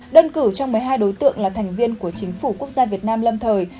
đơn cử trong một mươi hai đối tượng là thành viên của chính phủ quốc gia việt nam lâm thời